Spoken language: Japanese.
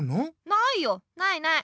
ないよないない。